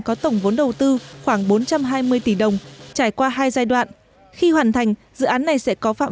có tổng vốn đầu tư khoảng bốn trăm hai mươi tỷ đồng trải qua hai giai đoạn khi hoàn thành dự án này sẽ có phạm